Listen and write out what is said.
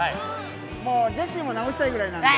もうジェシーも直したいぐらいなんで。